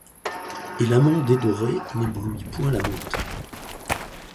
Et l'amant dédoré n'éblouit point l'amante ;